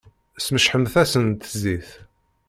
Smecḥemt-asent zzit!